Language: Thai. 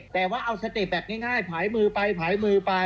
แต่ว่าเอาสเต็ปแบบง่ายผายมือไปผายมือไป